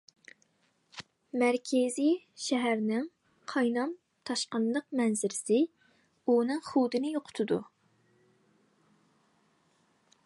مەركىزىي شەھەرنىڭ قاينام-تاشقىنلىق مەنزىرىسى ئۇنىڭ خۇدىنى يوقىتىدۇ.